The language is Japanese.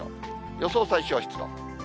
予想最小湿度。